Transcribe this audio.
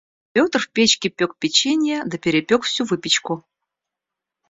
Петр в печке пёк печенье, да перепёк всю выпечку.